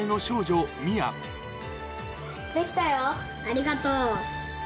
ありがとう。